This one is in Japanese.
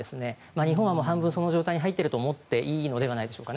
日本は半分その状態に入っていると思っていいんじゃないでしょうか。